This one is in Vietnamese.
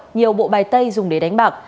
nhiều bộ bài tay dùng để đánh bạc